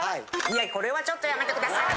いやこれはちょっとやめてください！